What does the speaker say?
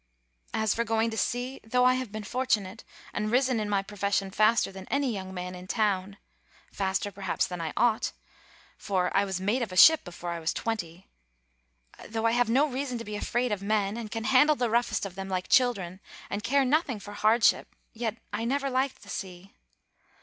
"As for going to sea, though I have been fortunate, and risen in my profession faster than any young man in town, faster, perhaps, than I ought, for I was mate of a ship before I was twenty, though I have no reason to be afraid of men, and can handle the roughest of them like children, and care nothing for hardship, yet I never liked the sea.